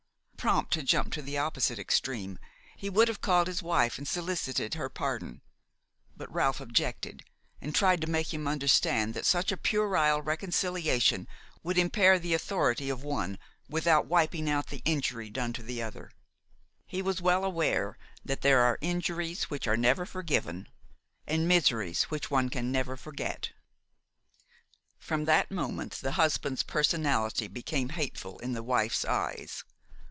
Prompt to jump to the opposite extreme, he would have called his wife and solicited her pardon; but Ralph objected and tried to make him understand that such a puerile reconciliation would impair the authority of one without wiping out the injury done to the other. He was well aware that there are injuries which are never forgiven and miseries which one can never forget. From that moment, the husband's personality became hateful in the wife's eyes.